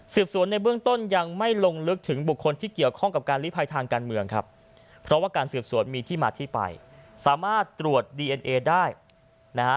สวนในเบื้องต้นยังไม่ลงลึกถึงบุคคลที่เกี่ยวข้องกับการลีภัยทางการเมืองครับเพราะว่าการสืบสวนมีที่มาที่ไปสามารถตรวจดีเอ็นเอได้นะฮะ